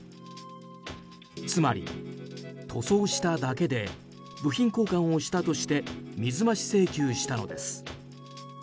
つまり塗装しただけで部品交換をしたとして水増し請求したのです。